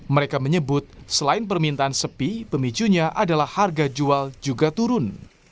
mereka menyebut selain permintaan sepi pemicunya adalah harga jual juga turun